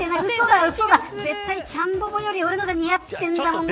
絶対、ちゃんバボより俺のが似合ってるんだもんね。